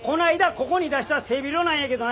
ここに出した背広なんやけどな